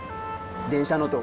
電車の音